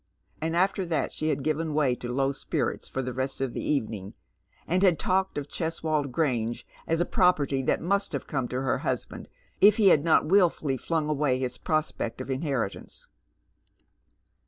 And after that she had given way to low spirits for the rest oi the evening, and had talked of Cheswold Grange as a property that must have come to her husband if he had not wilfully flung away his prospect of inheritance.